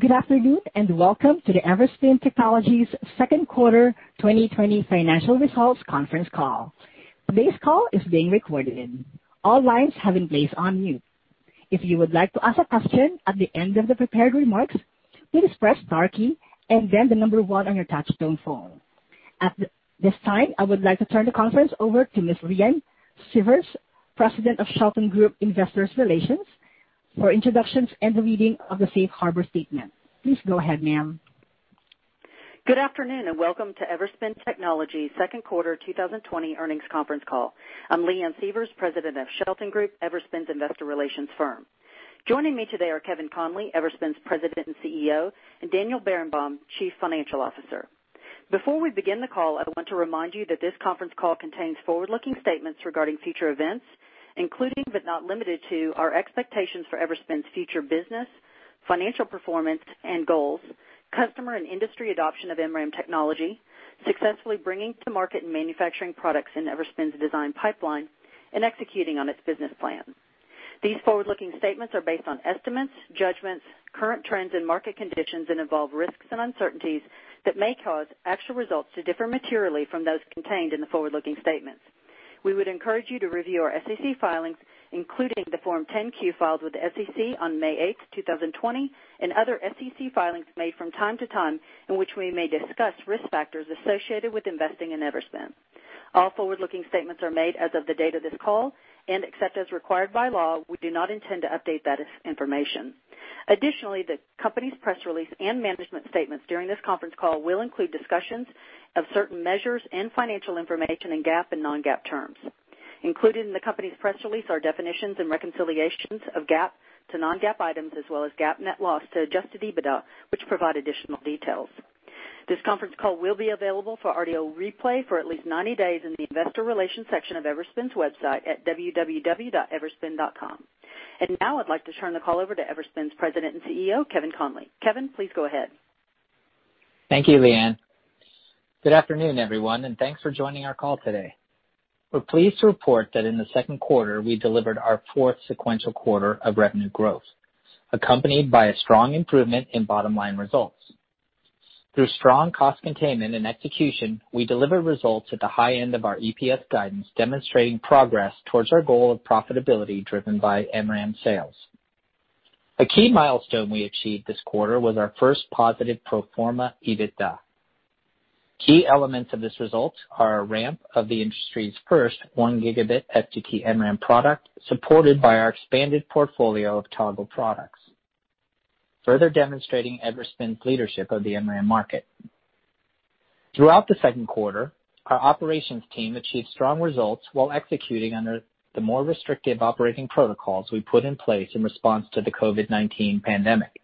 Good afternoon, and welcome to the Everspin Technologies Second Quarter 2020 Financial Results Conference Call. Today's call is being recorded. All lines have been placed on mute. If you would like to ask a question at the end of the prepared remarks, please press star key and then the number one on your touchtone phone. At this time, I would like to turn the conference over to Ms. Leanne Sievers, President of Shelton Group Investor Relations, for introductions and the reading of the safe harbor statement. Please go ahead, ma'am. Good afternoon, and welcome to Everspin Technologies second quarter 2020 earnings conference call. I'm Leanne Sievers, President of Shelton Group, Everspin's investor relations firm. Joining me today are Kevin Conley, Everspin's President and CEO, and Daniel Berenbaum, Chief Financial Officer. Before we begin the call, I want to remind you that this conference call contains forward-looking statements regarding future events, including, but not limited to, our expectations for Everspin's future business, financial performance and goals, customer and industry adoption of MRAM technology, successfully bringing to market and manufacturing products in Everspin's design pipeline, and executing on its business plan. These forward-looking statements are based on estimates, judgments, current trends and market conditions, and involve risks and uncertainties that may cause actual results to differ materially from those contained in the forward-looking statements. We would encourage you to review our SEC filings, including the Form 10-Q filed with the SEC on May 8th, 2020, and other SEC filings made from time to time in which we may discuss risk factors associated with investing in Everspin. All forward-looking statements are made as of the date of this call, and except as required by law, we do not intend to update that information. Additionally, the company's press release and management statements during this conference call will include discussions of certain measures and financial information in GAAP and non-GAAP terms. Included in the company's press release are definitions and reconciliations of GAAP to non-GAAP items, as well as GAAP net loss to adjusted EBITDA, which provide additional details. This conference call will be available for audio replay for at least 90 days in the Investor Relations section of Everspin's website at www.everspin.com. Now I'd like to turn the call over to Everspin's President and Chief Executive Officer, Kevin Conley. Kevin, please go ahead. Thank you, Leanne. Good afternoon, everyone, and thanks for joining our call today. We're pleased to report that in the second quarter, we delivered our fourth sequential quarter of revenue growth, accompanied by a strong improvement in bottom-line results. Through strong cost containment and execution, we delivered results at the high end of our EPS guidance, demonstrating progress towards our goal of profitability driven by MRAM sales. A key milestone we achieved this quarter was our first positive pro forma EBITDA. Key elements of this result are a ramp of the industry's first one gigabit STT-MRAM product, supported by our expanded portfolio of Toggle products, further demonstrating Everspin's leadership of the MRAM market. Throughout the second quarter, our operations team achieved strong results while executing under the more restrictive operating protocols we put in place in response to the COVID-19 pandemic.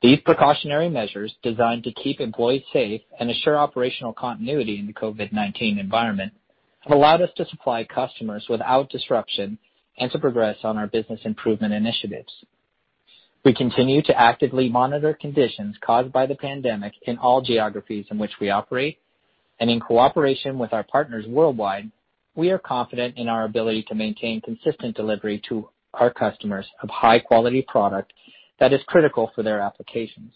These precautionary measures, designed to keep employees safe and assure operational continuity in the COVID-19 environment, have allowed us to supply customers without disruption and to progress on our business improvement initiatives. We continue to actively monitor conditions caused by the pandemic in all geographies in which we operate. In cooperation with our partners worldwide, we are confident in our ability to maintain consistent delivery to our customers of high-quality product that is critical for their applications.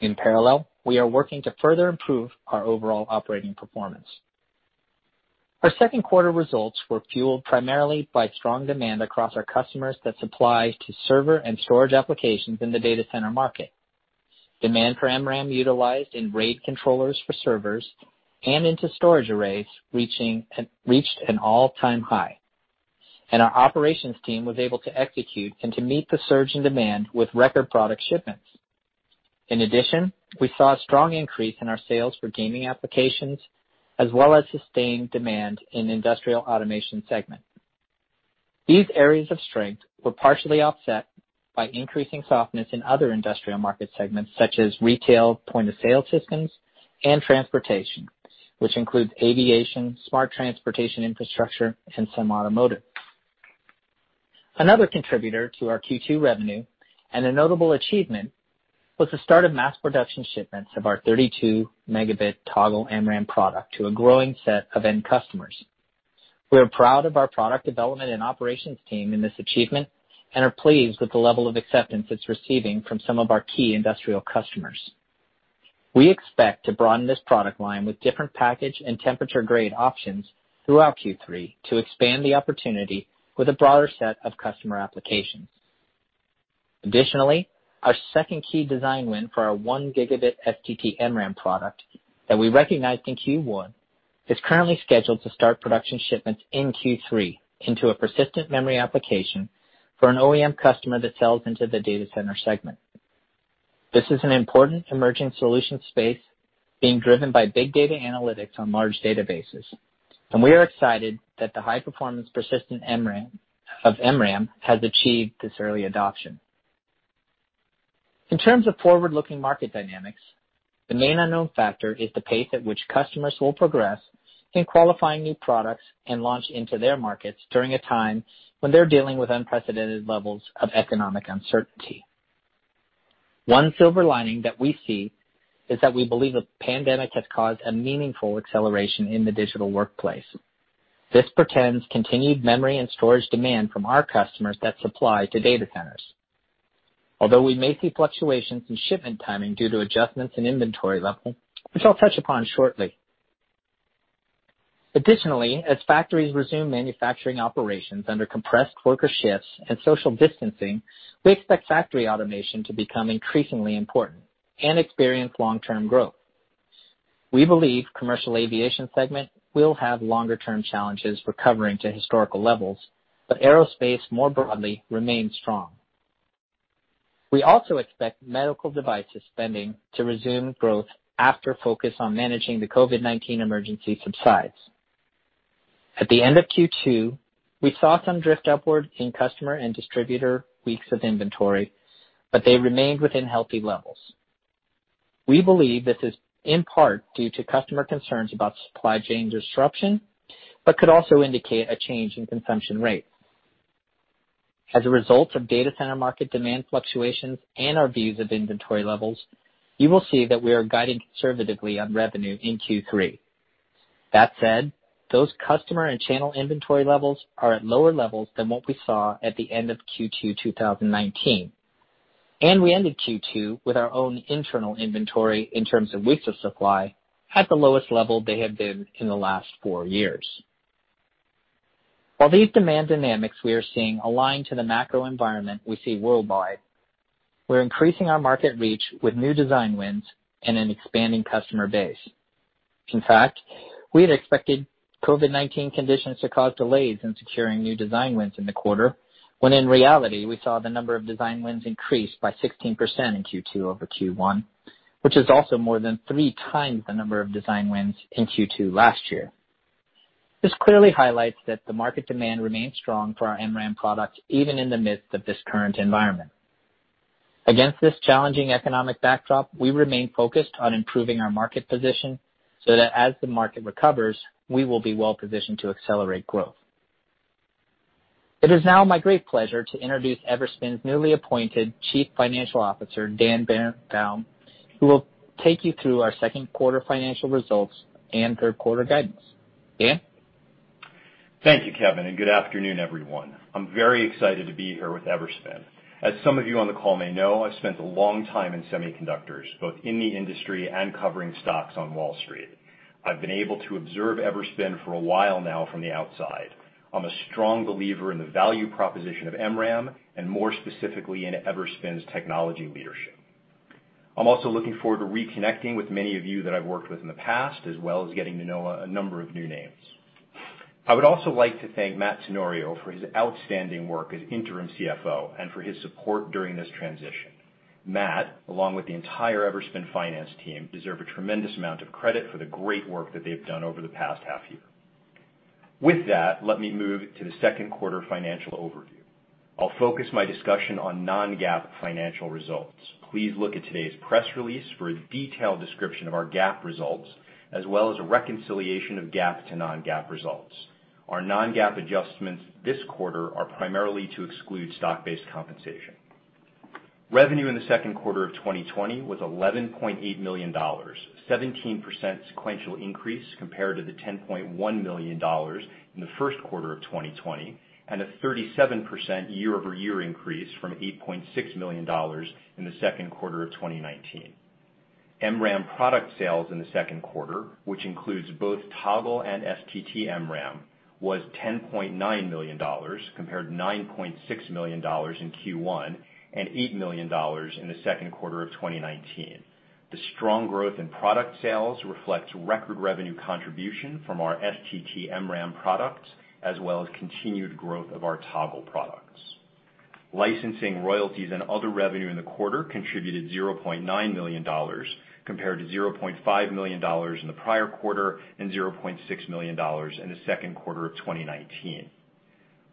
In parallel, we are working to further improve our overall operating performance. Our second quarter results were fueled primarily by strong demand across our customers that supply to server and storage applications in the data center market. Demand for MRAM utilized in RAID controllers for servers and into storage arrays reached an all-time high. Our operations team was able to execute and to meet the surge in demand with record product shipments. In addition, we saw a strong increase in our sales for gaming applications, as well as sustained demand in industrial automation segment. These areas of strength were partially offset by increasing softness in other industrial market segments such as retail, point-of-sale systems, and transportation, which includes aviation, smart transportation infrastructure, and some automotive. Another contributor to our Q2 revenue and a notable achievement was the start of mass production shipments of our 32-megabit Toggle MRAM product to a growing set of end customers. We are proud of our product development and operations team in this achievement and are pleased with the level of acceptance it's receiving from some of our key industrial customers. We expect to broaden this product line with different package and temperature grade options throughout Q3 to expand the opportunity with a broader set of customer applications. Additionally, our second key design win for our 1 Gb STT-MRAM product that we recognized in Q1 is currently scheduled to start production shipments in Q3 into a persistent memory application for an OEM customer that sells into the data center segment. This is an important emerging solution space being driven by big data analytics on large databases, and we are excited that the high-performance persistent of MRAM has achieved this early adoption. In terms of forward-looking market dynamics, the main unknown factor is the pace at which customers will progress in qualifying new products and launch into their markets during a time when they're dealing with unprecedented levels of economic uncertainty. One silver lining that we see is that we believe the pandemic has caused a meaningful acceleration in the digital workplace. This portends continued memory and storage demand from our customers that supply to data centers. Although we may see fluctuations in shipment timing due to adjustments in inventory level, which I'll touch upon shortly. Additionally, as factories resume manufacturing operations under compressed worker shifts and social distancing, we expect factory automation to become increasingly important and experience long-term growth. We believe commercial aviation segment will have longer-term challenges recovering to historical levels, but aerospace, more broadly, remains strong. We also expect medical devices spending to resume growth after focus on managing the COVID-19 emergency subsides. At the end of Q2, we saw some drift upward in customer and distributor weeks of inventory, but they remained within healthy levels. We believe this is in part due to customer concerns about supply chain disruption, but could also indicate a change in consumption rates. As a result of data center market demand fluctuations and our views of inventory levels, you will see that we are guiding conservatively on revenue in Q3. That said, those customer and channel inventory levels are at lower levels than what we saw at the end of Q2 2019. We ended Q2 with our own internal inventory, in terms of weeks of supply, at the lowest level they have been in the last four years. While these demand dynamics we are seeing align to the macro environment we see worldwide, we're increasing our market reach with new design wins and an expanding customer base. In fact, we had expected COVID-19 conditions to cause delays in securing new design wins in the quarter, when in reality, we saw the number of design wins increase by 16% in Q2 over Q1, which is also more than three times the number of design wins in Q2 last year. This clearly highlights that the market demand remains strong for our MRAM products, even in the midst of this current environment. Against this challenging economic backdrop, we remain focused on improving our market position so that as the market recovers, we will be well-positioned to accelerate growth. It is now my great pleasure to introduce Everspin's newly appointed Chief Financial Officer, Dan Berenbaum, who will take you through our second quarter financial results and third quarter guidance. Dan? Thank you, Kevin. Good afternoon, everyone. I'm very excited to be here with Everspin. As some of you on the call may know, I've spent a long time in semiconductors, both in the industry and covering stocks on Wall Street. I've been able to observe Everspin for a while now from the outside. I'm a strong believer in the value proposition of MRAM, and more specifically, in Everspin's technology leadership. I'm also looking forward to reconnecting with many of you that I've worked with in the past, as well as getting to know a number of new names. I would also like to thank Matt Tenorio for his outstanding work as interim CFO and for his support during this transition. Matt, along with the entire Everspin finance team, deserve a tremendous amount of credit for the great work that they've done over the past half year. With that, let me move to the second quarter financial overview. I'll focus my discussion on non-GAAP financial results. Please look at today's press release for a detailed description of our GAAP results, as well as a reconciliation of GAAP to non-GAAP results. Our non-GAAP adjustments this quarter are primarily to exclude stock-based compensation. Revenue in the second quarter of 2020 was $11.8 million, 17% sequential increase compared to the $10.1 million in the first quarter of 2020, and a 37% year-over-year increase from $8.6 million in the second quarter of 2019. MRAM product sales in the second quarter, which includes both Toggle and STT-MRAM, was $10.9 million, compared to $9.6 million in Q1, and $8 million in the second quarter of 2019. The strong growth in product sales reflects record revenue contribution from our STT-MRAM products, as well as continued growth of our Toggle products. Licensing, royalties, and other revenue in the quarter contributed $0.9 million, compared to $0.5 million in the prior quarter and $0.6 million in the second quarter of 2019.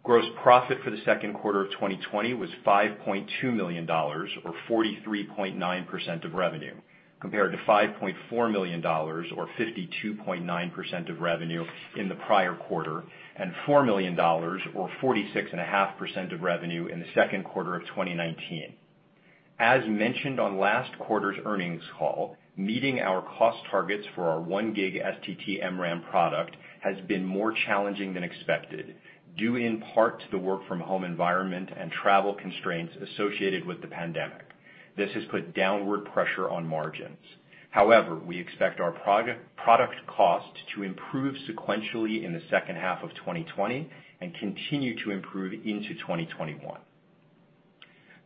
Gross profit for the second quarter of 2020 was $5.2 million, or 43.9% of revenue, compared to $5.4 million or 52.9% of revenue in the prior quarter, and $4 million or 46.5% of revenue in the second quarter of 2019. As mentioned on last quarter's earnings call, meeting our cost targets for our 1 Gb STT-MRAM product has been more challenging than expected, due in part to the work-from-home environment and travel constraints associated with the pandemic. This has put downward pressure on margins. However, we expect our product cost to improve sequentially in the second half of 2020 and continue to improve into 2021.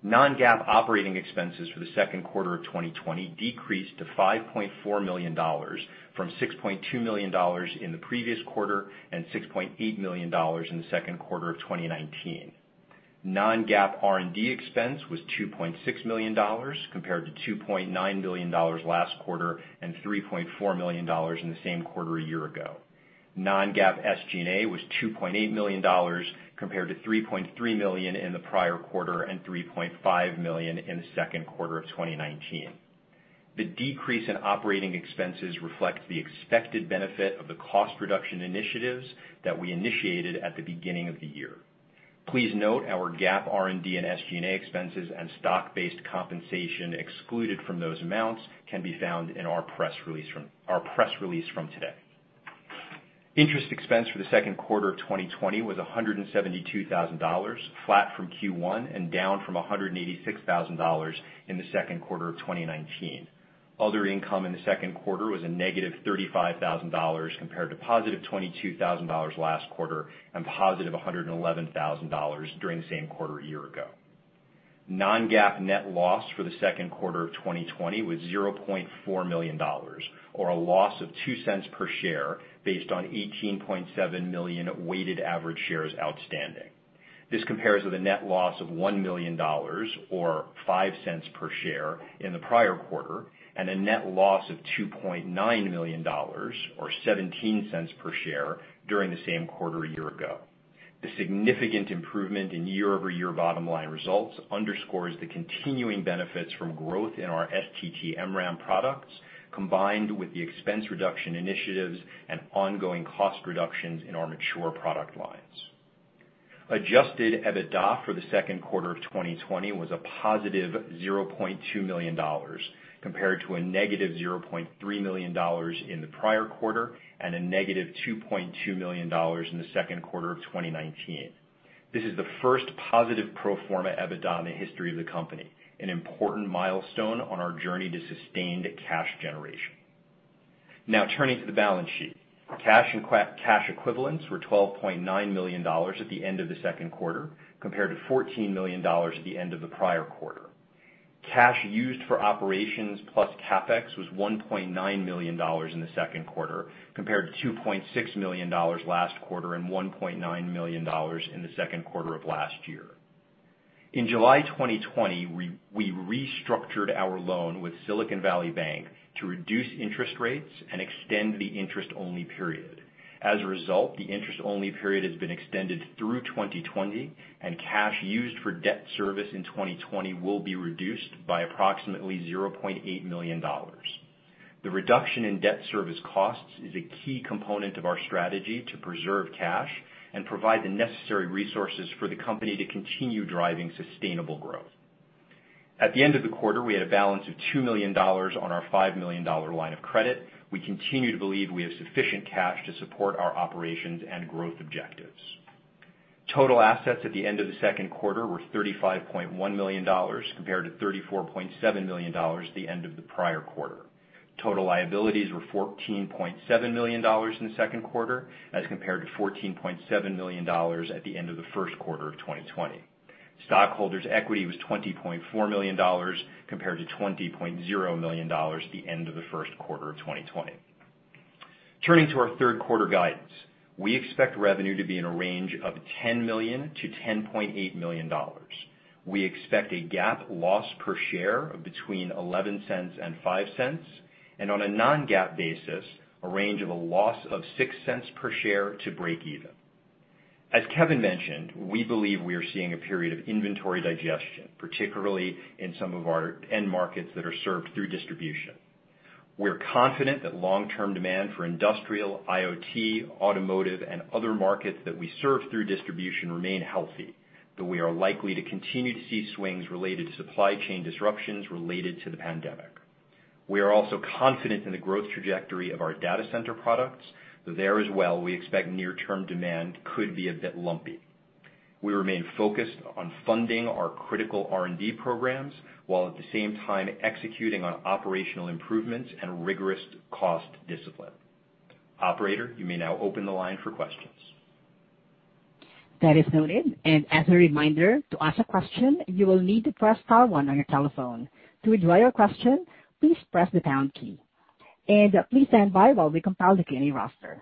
Non-GAAP operating expenses for the second quarter of 2020 decreased to $5.4 million from $6.2 million in the previous quarter, and $6.8 million in the second quarter of 2019. Non-GAAP R&D expense was $2.6 million, compared to $2.9 million last quarter and $3.4 million in the same quarter a year ago. Non-GAAP SG&A was $2.8 million, compared to $3.3 million in the prior quarter and $3.5 million in the second quarter of 2019. The decrease in operating expenses reflect the expected benefit of the cost reduction initiatives that we initiated at the beginning of the year. Please note our GAAP R&D and SG&A expenses and stock-based compensation excluded from those amounts can be found in our press release from today. Interest expense for the second quarter of 2020 was $172,000, flat from Q1 and down from $186,000 in the second quarter of 2019. Other income in the second quarter was a negative $35,000 compared to positive $22,000 last quarter and positive $111,000 during the same quarter a year ago. Non-GAAP net loss for the second quarter of 2020 was $0.4 million, or a loss of $0.02 per share based on 18.7 million weighted average shares outstanding. This compares with a net loss of $1 million or $0.05 per share in the prior quarter, and a net loss of $2.9 million or $0.17 per share during the same quarter a year ago. The significant improvement in year-over-year bottom-line results underscores the continuing benefits from growth in our STT-MRAM products, combined with the expense reduction initiatives and ongoing cost reductions in our mature product lines. Adjusted EBITDA for the second quarter of 2020 was a positive $0.2 million, compared to a negative $0.3 million in the prior quarter and a negative $2.2 million in the second quarter of 2019. This is the first positive pro forma EBITDA in the history of the company, an important milestone on our journey to sustained cash generation. Turning to the balance sheet. Cash and cash equivalents were $12.9 million at the end of the second quarter, compared to $14 million at the end of the prior quarter. Cash used for operations plus CapEx was $1.9 million in the second quarter, compared to $2.6 million last quarter and $1.9 million in the second quarter of last year. In July 2020, we restructured our loan with Silicon Valley Bank to reduce interest rates and extend the interest-only period. As a result, the interest-only period has been extended through 2020, and cash used for debt service in 2020 will be reduced by approximately $0.8 million. The reduction in debt service costs is a key component of our strategy to preserve cash and provide the necessary resources for the company to continue driving sustainable growth. At the end of the quarter, we had a balance of $2 million on our $5 million line of credit. We continue to believe we have sufficient cash to support our operations and growth objectives. Total assets at the end of the second quarter were $35.1 million, compared to $34.7 million at the end of the prior quarter. Total liabilities were $14.7 million in the second quarter as compared to $14.7 million at the end of the first quarter of 2020. Stockholders' equity was $20.4 million compared to $20.0 million at the end of the first quarter of 2020. Turning to our third quarter guidance. We expect revenue to be in a range of $10 million-$10.8 million. We expect a GAAP loss per share of between $0.11 and $0.05, and on a non-GAAP basis, a range of a loss of $0.06 per share to breakeven. As Kevin mentioned, we believe we are seeing a period of inventory digestion, particularly in some of our end markets that are served through distribution. We're confident that long-term demand for industrial, IoT, automotive, and other markets that we serve through distribution remain healthy, though we are likely to continue to see swings related to supply chain disruptions related to the pandemic. We are also confident in the growth trajectory of our data center products, though there as well, we expect near-term demand could be a bit lumpy. We remain focused on funding our critical R&D programs, while at the same time executing on operational improvements and rigorous cost discipline. Operator, you may now open the line for questions. That is noted. As a reminder, to ask a question, you will need to press star one on your telephone. To withdraw your question, please press the pound key. Please stand by while we compile the Q&A roster.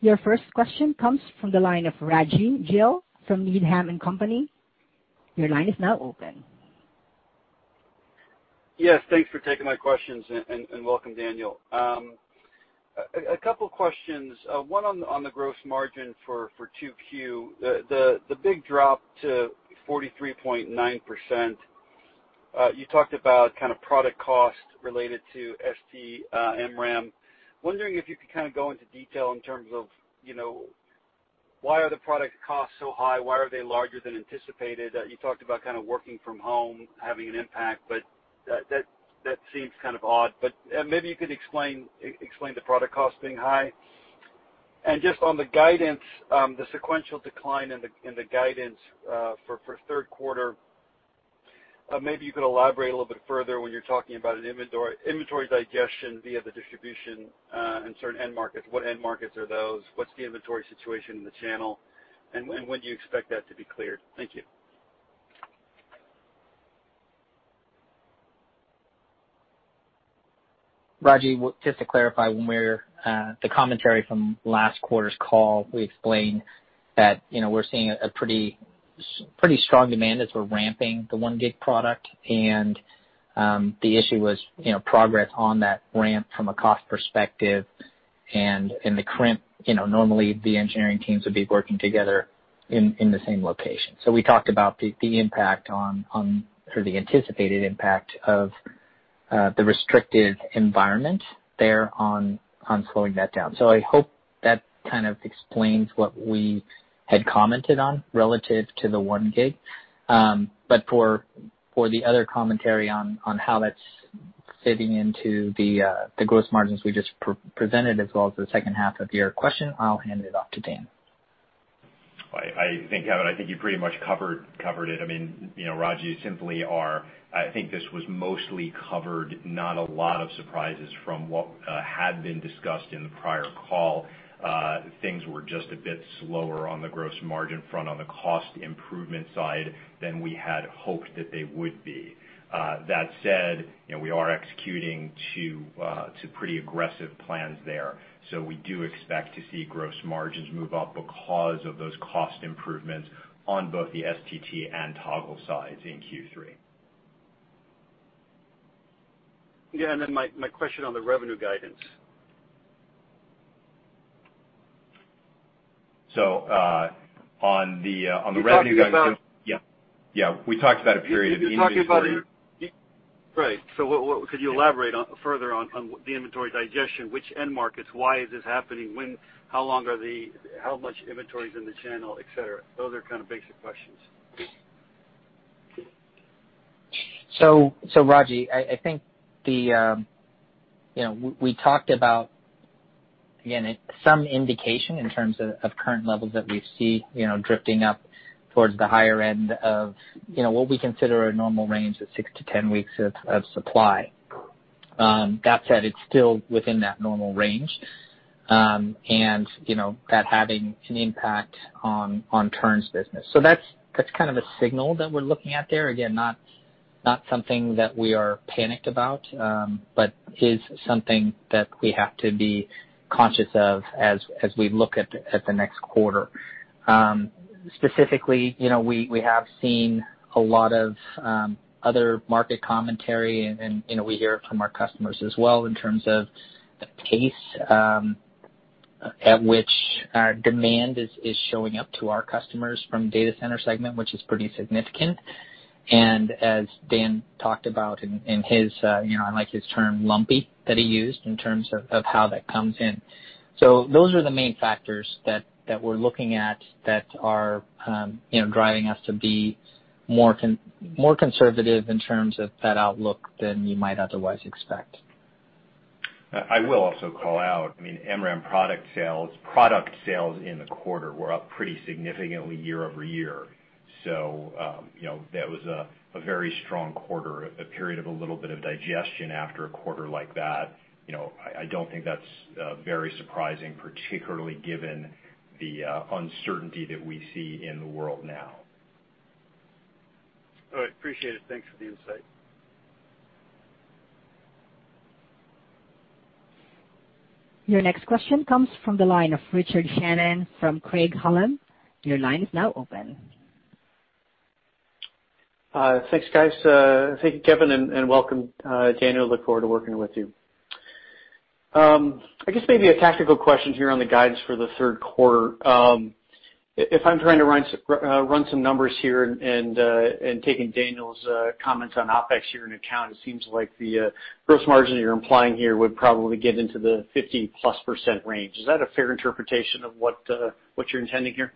Your first question comes from the line of Raji Gill from Needham & Company. Your line is now open. Yes, thanks for taking my questions, and welcome, Daniel. A couple questions, one on the gross margin for 2Q. The big drop to 43.9%, you talked about product cost related to STT-MRAM. Wondering if you could go into detail in terms of why are the product costs so high? Why are they larger than anticipated? You talked about working from home having an impact, that seems kind of odd. Maybe you could explain the product cost being high. Just on the guidance, the sequential decline in the guidance, for third quarter, maybe you could elaborate a little bit further when you're talking about an inventory digestion via the distribution, and certain end markets. What end markets are those? What's the inventory situation in the channel? When do you expect that to be cleared? Thank you. Raji, just to clarify, the commentary from last quarter's call, we explained that we're seeing a pretty strong demand as we're ramping the 1 Gb product, and the issue was progress on that ramp from a cost perspective. normally the engineering teams would be working together In the same location. We talked about the impact on, or the anticipated impact of the restricted environment there on slowing that down. I hope that kind of explains what we had commented on relative to the 1 Gb. For the other commentary on how that's fitting into the gross margins we just presented, as well as the second half of your question, I'll hand it off to Dan. I think, Kevin, I think you pretty much covered it. Raji, simply, I think this was mostly covered, not a lot of surprises from what had been discussed in the prior call. Things were just a bit slower on the gross margin front, on the cost improvement side, than we had hoped that they would be. That said, we are executing to pretty aggressive plans there. We do expect to see gross margins move up because of those cost improvements on both the STT and Toggle sides in Q3. Yeah, my question on the revenue guidance. On the revenue guidance You talked about- Yeah. We talked about a period of inventory. Right. Could you elaborate further on the inventory digestion, which end markets, why is this happening, how much inventory is in the channel, et cetera? Those are kind of basic questions. Raji, I think we talked about, again, some indication in terms of current levels that we see drifting up towards the higher end of what we consider a normal range of 6-10 weeks of supply. That said, it's still within that normal range, and that having an impact on turns business. That's kind of a signal that we're looking at there. Again, not something that we are panicked about, but is something that we have to be conscious of as we look at the next quarter. Specifically, we have seen a lot of other market commentary and we hear it from our customers as well in terms of the pace at which demand is showing up to our customers from data center segment, which is pretty significant. As Dan talked about in his, I like his term, lumpy, that he used in terms of how that comes in. Those are the main factors that we're looking at that are driving us to be more conservative in terms of that outlook than you might otherwise expect. I will also call out, MRAM product sales in the quarter were up pretty significantly year-over-year. That was a very strong quarter, a period of a little bit of digestion after a quarter like that. I don't think that's very surprising, particularly given the uncertainty that we see in the world now. All right. Appreciate it. Thanks for the insight. Your next question comes from the line of Richard Shannon from Craig-Hallum. Your line is now open. Thanks, guys. Thank you, Kevin, and welcome, Daniel. Look forward to working with you. I guess maybe a tactical question here on the guidance for the third quarter. If I'm trying to run some numbers here and taking Daniel's comments on OpEx here into account, it seems like the gross margin you're implying here would probably get into the 50%+ range. Is that a fair interpretation of what you're intending here?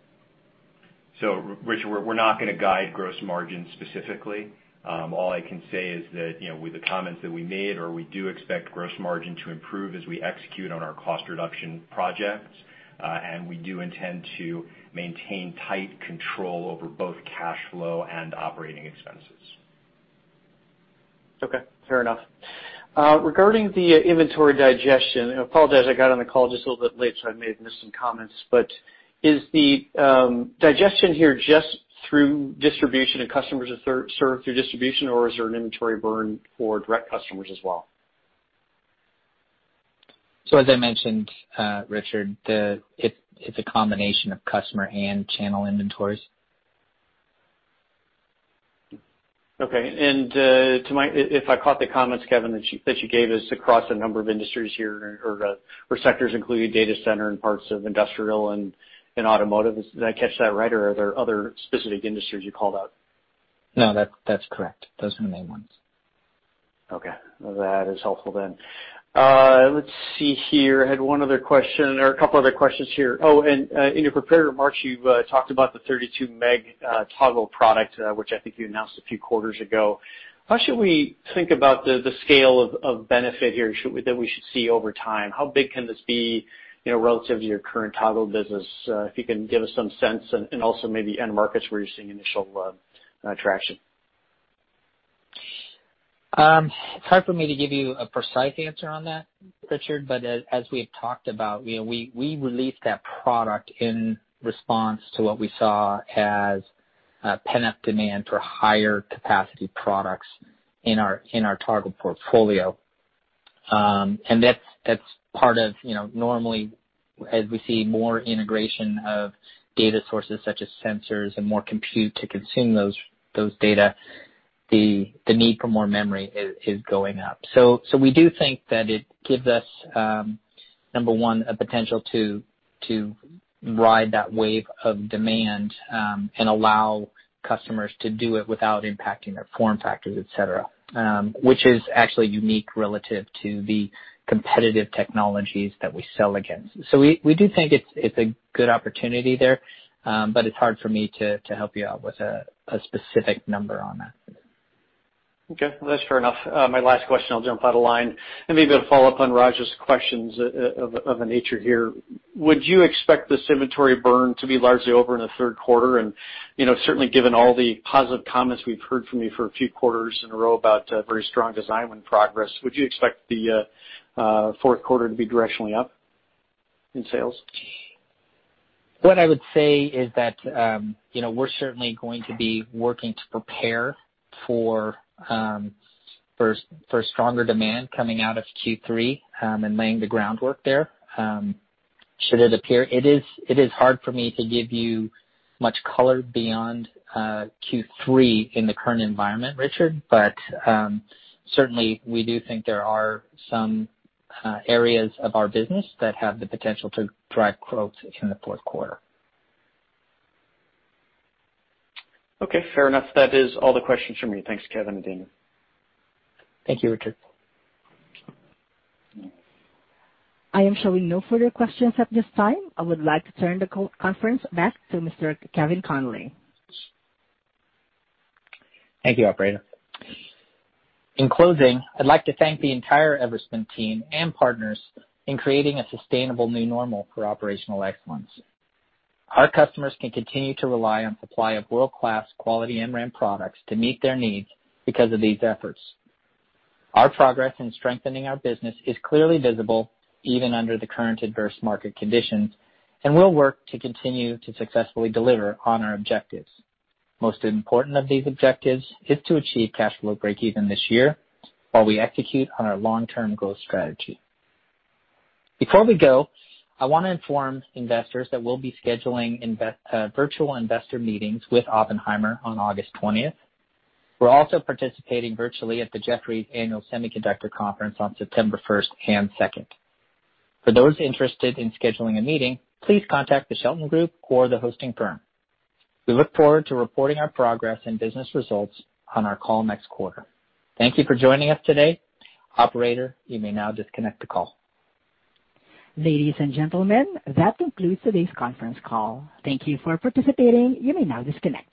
Richard, we're not going to guide gross margin specifically. All I can say is that with the comments that we made, or we do expect gross margin to improve as we execute on our cost reduction projects. We do intend to maintain tight control over both cash flow and operating expenses. Okay, fair enough. Regarding the inventory digestion, I apologize, I got on the call just a little bit late, so I may have missed some comments, but is the digestion here just through distribution and customers served through distribution, or is there an inventory burn for direct customers as well? As I mentioned, Richard, it's a combination of customer and channel inventories. Okay. If I caught the comments, Kevin, that you gave us across a number of industries here, or sectors, including data center and parts of industrial and automotive. Did I catch that right, or are there other specific industries you called out? No, that's correct. Those are the main ones. Okay. That is helpful then. Let's see here. I had one other question or a couple other questions here. In your prepared remarks, you talked about the 32 Mb Toggle product, which I think you announced a few quarters ago. How should we think about the scale of benefit here that we should see over time? How big can this be relative to your current Toggle business? If you can give us some sense and also maybe end markets where you're seeing initial traction. It's hard for me to give you a precise answer on that, Richard. As we have talked about, we released that product in response to what we saw as pent-up demand for higher capacity products in our Toggle portfolio. That's part of normally as we see more integration of data sources such as sensors and more compute to consume those data. The need for more memory is going up. We do think that it gives us, number one, a potential to ride that wave of demand and allow customers to do it without impacting their form factors, et cetera, which is actually unique relative to the competitive technologies that we sell against. We do think it's a good opportunity there, but it's hard for me to help you out with a specific number on that. Okay, that's fair enough. My last question, I'll jump out of line and maybe to follow up on Raji's questions of a nature here. Would you expect this inventory burn to be largely over in the third quarter? Certainly given all the positive comments we've heard from you for a few quarters in a row about very strong design win progress, would you expect the fourth quarter to be directionally up in sales? What I would say is that we're certainly going to be working to prepare for stronger demand coming out of Q3, and laying the groundwork there should it appear. It is hard for me to give you much color beyond Q3 in the current environment, Richard. Certainly, we do think there are some areas of our business that have the potential to drive growth in the fourth quarter. Okay, fair enough. That is all the questions from me. Thanks, Kevin and Daniel. Thank you, Richard. I am showing no further questions at this time. I would like to turn the conference back to Mr. Kevin Conley. Thank you, operator. In closing, I'd like to thank the entire Everspin team and partners in creating a sustainable new normal for operational excellence. Our customers can continue to rely on supply of world-class quality MRAM products to meet their needs because of these efforts. Our progress in strengthening our business is clearly visible even under the current adverse market conditions, and we'll work to continue to successfully deliver on our objectives. Most important of these objectives is to achieve cash flow breakeven this year while we execute on our long-term growth strategy. Before we go, I want to inform investors that we'll be scheduling virtual investor meetings with Oppenheimer on August 20th. We're also participating virtually at the Jefferies Annual Semiconductor Conference on September 1st and 2nd. For those interested in scheduling a meeting, please contact The Shelton Group or the hosting firm. We look forward to reporting our progress and business results on our call next quarter. Thank you for joining us today. Operator, you may now disconnect the call. Ladies and gentlemen, that concludes today's conference call. Thank you for participating. You may now disconnect.